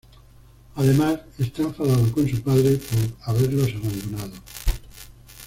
Además, está enfadado con su padre por haberlos abandonado.